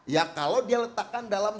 ya kalau dia letakkan dalam